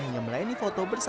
dengan mantan pelatih pribadinya